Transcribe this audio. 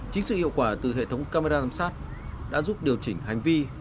chính sự hiệu quả từ hệ thống camera giám sát đã giúp điều chỉnh hành vi